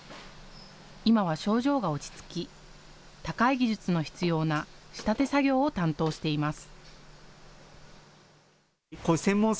今は症状が落ち着き高い技術の必要な仕立て作業を担当しています。